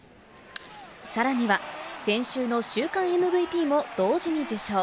さらには、先週の週間ＭＶＰも同時に受賞。